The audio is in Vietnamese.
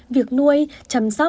việc nuôi chăm sóc